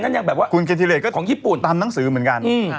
นั่นยังแบบว่าคุณเคนธีรเดชก็ของญี่ปุ่นตามหนังสือเหมือนกันอืม